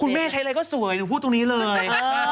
แม่ใช้อะไรก็สวยหนูพูดตรงนี้เลย